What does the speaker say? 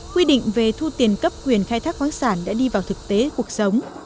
quy định về thu tiền cấp quyền khai thác khoáng sản đã đi vào thực tế cuộc sống